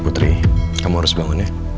putri kamu harus bangun ya